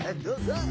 どうぞ！